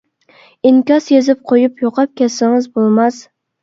ئىنكاس يېزىپ قويۇپ يوقاپ كەتسىڭىز بولماس.